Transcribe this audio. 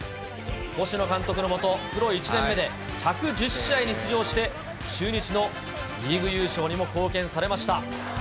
星野監督の下、プロ１年目で１１０試合に出場して中日のリーグ優勝にも貢献されました。